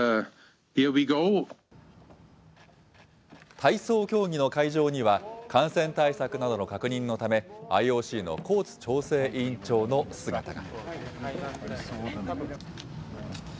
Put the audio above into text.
体操競技の会場には、感染対策などの確認のため、ＩＯＣのコーツ調整委員長の姿が。